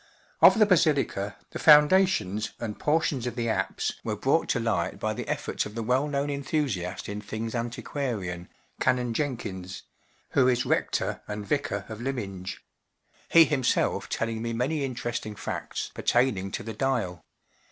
Of the basilica, the foundations and por¬ tions of the apse were brought to light by the efforts of the well known enthusiast in things antiquarian, Canon Jenkins (who is rector and vicar of Lyminge) ; he himself telling me many interesting facts pertaining to the dial.